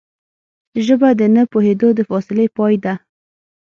ژبه د نه پوهېدو د فاصلې پای ده